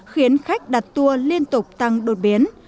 khiến khách đặt tour liên tục tăng đột biến